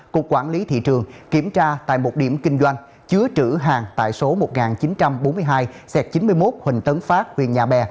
cục quản lý thị trường kiểm tra tại một điểm kinh doanh chứa trữ hàng tại số một nghìn chín trăm bốn mươi hai xẹt chín mươi một huỳnh tấn phát huyện nhà bè